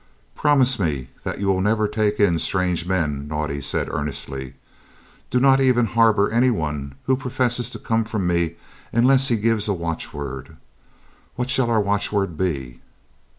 "Promise me that you will never take in strange men," Naudé said earnestly. "Do not even harbour any one who professes to come from me unless he gives a watchword. What shall our watchword be?"